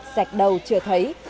sạch đầu chưa thấy